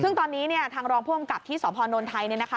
ซึ่งตอนนี้เนี่ยทางรองผู้อำกับที่สพนไทยเนี่ยนะคะ